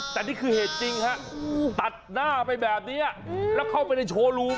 แต่นี่คือเหตุจริงฮะตัดหน้าไปแบบนี้แล้วเข้าไปในโชว์รูม